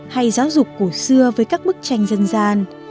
hay giáo dục cổ xưa với các bức tranh dân gian